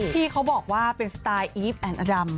ที่เขาบอกว่าเป็นสไตล์อีฟแอนอดัม